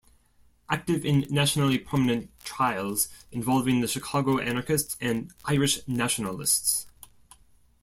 Active in nationally prominent trials involving the Chicago Anarchists, and Irish nationalists.